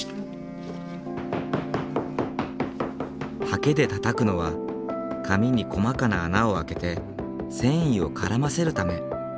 ハケでたたくのは紙に細かな穴を開けて繊維を絡ませるため。